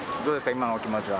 今のお気持ちは。